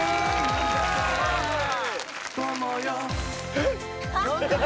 えっ？